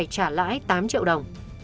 trả lãi tám triệu đồng